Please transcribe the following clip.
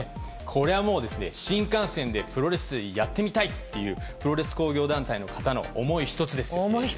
これはもう新幹線でプロレスをやってみたいというプロレス興業団体の思い１つですね。